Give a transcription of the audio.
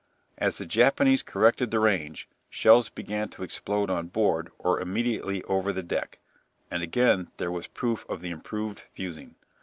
As the Japanese corrected the range shells began to explode on board or immediately over the deck, and again there was proof of the improved fusing.